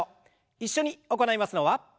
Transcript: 一緒に行いますのは。